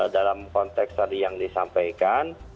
dalam konteks tadi yang disampaikan